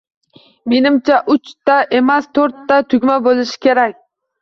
Menimcha uch ta emas, to’rt ta tugma bo‘lishi kerak